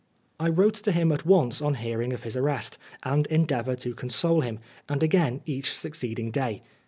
I wrote to him at once on hearing of his arrest, and endeavoured to console him, and again each succeeding day.